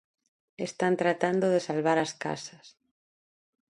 Están tratando de salvar as casas.